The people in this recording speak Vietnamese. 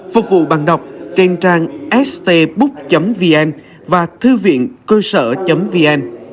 phục vụ bàn đọc trên trang stbook vn và thư viện cơ sở vn